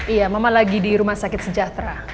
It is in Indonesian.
iya mama lagi di rumah sakit sejahtera